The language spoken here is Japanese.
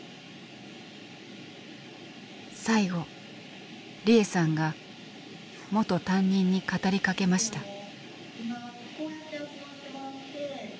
最後利枝さんが元担任に語りかけました。